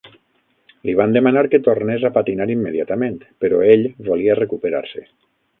Li van demanar que tornés a patinar immediatament, però ell volia recuperar-se.